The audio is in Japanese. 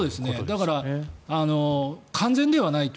だから、完全ではないと。